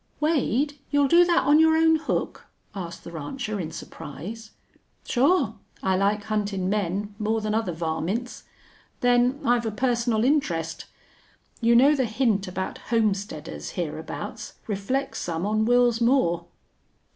"Wade, you'll do thet on your own hook?" asked the rancher, in surprise. "Sure. I like huntin' men more than other varmints. Then I've a personal interest. You know the hint about homesteaders hereabouts reflects some on Wils Moore."